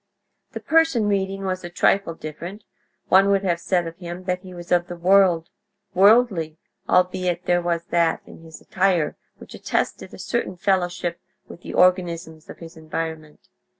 The person reading was a trifle different; one would have said of him that he was of the world, worldly, albeit there was that in his attire which attested a certain fellowship with the organisms of his environment.